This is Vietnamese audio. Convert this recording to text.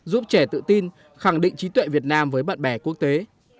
giúp trẻ tự tin khẳng định trí tuệ việt nam với bạn bè quốc tế